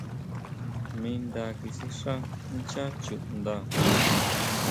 Mi nda kisixá nchá chuʼnda.